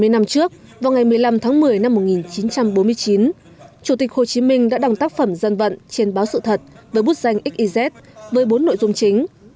bảy mươi năm trước vào ngày một mươi năm tháng một mươi năm một nghìn chín trăm bốn mươi chín chủ tịch hồ chí minh đã đăng tác phẩm dân vận trên báo sự thật với bút danh xiz với bốn nội dung chính